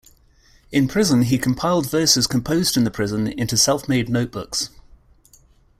In prison, he compiled verses composed in the prison into self-made notebooks.